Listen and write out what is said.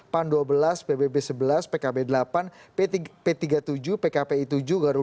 partai lain juga banyak begitu